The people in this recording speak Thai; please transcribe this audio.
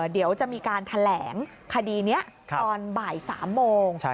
เดี๋ยวจะมีการแถลงคดีนี้ตอนบ่าย๓โมง